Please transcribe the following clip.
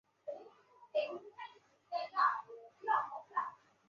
最后机场人员使用大型拖车将飞机拉出。